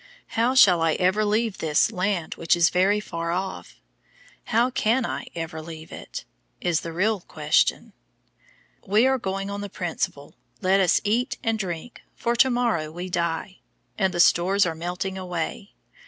How shall I ever leave this "land which is very far off"? How CAN I ever leave it? is the real question. We are going on the principle, "Let us eat and drink, for to morrow we die," and the stores are melting away.